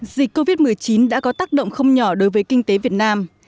dịch covid một mươi chín đã có tác động không nhỏ đối với kinh tế việt nam